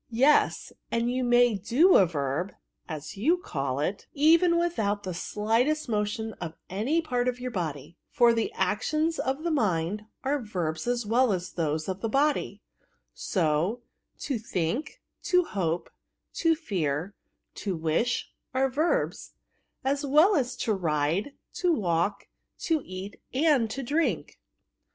Yes ; and you may do a verb (as you call it), even without the slightest motion of any part of your body ; for the actions of the mind are verbs as well as those of the body ; so, to think, to hope, to fear, to tvish, are verbs, as well as to ride, to walk, to eat, and to drink.